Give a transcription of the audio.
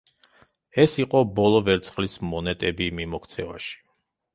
ეს იყო ბოლო ვერცხლის მონეტები მიმოქცევაში.